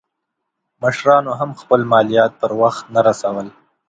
مشرانو هم خپل مالیات پر وخت نه رسول.